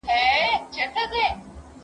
زه اوس تمرين کوم!.